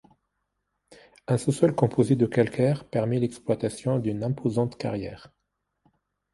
Un sous-sol composé de calcaire permet l’exploitation d’une imposante carrière.